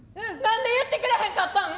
なんで言ってくれへんかったん？